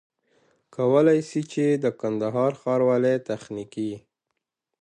کولای سي چي د کندهار ښاروالۍ تخنيکي